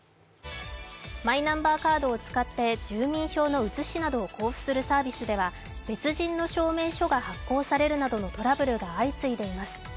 マイナンバーカードを使って住民票の写しなどを交付するすサービスでは別人の証明書が発行されるなどのトラブルが相次いでいます。